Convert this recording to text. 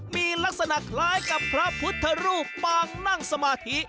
มีลักษณะคล้ายกับพระพุทธรูปปางนั่งสมาธิ